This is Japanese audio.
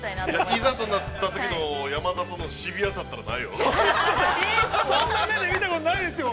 ◆いざとなったときの山里のシビアさったらないよ。